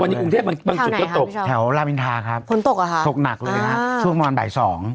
วันนี้กรุงเทพบางจุดก็ตกแถวรามินทราครับคนตกหรอคะตกหนักเลยครับช่วงวันบ่าย๒